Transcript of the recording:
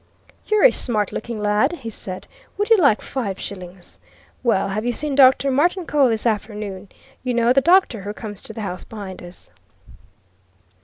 "You're a smart looking lad," he said. "Would you like five shillings? Well, have you seen Dr. Martincole this afternoon? You know, the doctor who comes to the house behind us?"